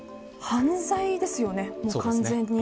犯罪ですよね、完全に。